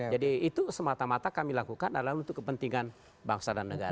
jadi itu semata mata kami lakukan adalah untuk kepentingan bangsa dan negara